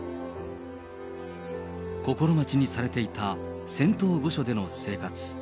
心待ちにされていた仙洞御所での生活。